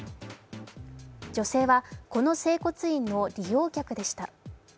女性はこの整骨院の利用客でした。